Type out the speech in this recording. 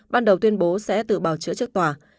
ban đầu tuyên bố sẽ tự bào chữa trước tòa